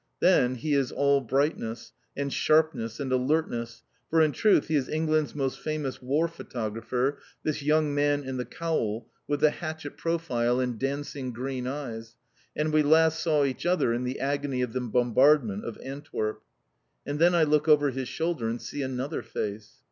Then he is all brightness, and sharpness, and alertness. For in truth he is England's most famous War Photographer, this young man in the cowl, with the hatchet profile and dancing green eyes, and we last saw each other in the agony of the Bombardment of Antwerp. And then I look over his shoulder and see another face.